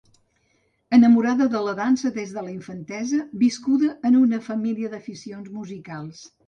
Enamorada de la dansa des de la infantesa, viscuda a una família d'aficions musicals.